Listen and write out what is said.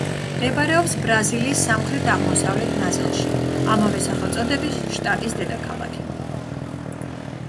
მდებარეობს ბრაზილიის სამხრეთ-აღმოსავლეთ ნაწილში, ამავე სახელწოდების შტატის დედაქალაქი.